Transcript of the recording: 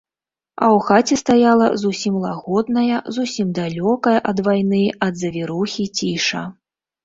А ў хаце стаяла зусім лагодная, зусім далёкая ад вайны, ад завірухі ціша.